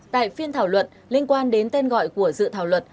tại phiên thảo luận liên quan đến tên gọi của dự thảo luật